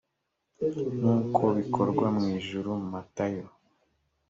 nk uko bikorwa mu ijuru matayo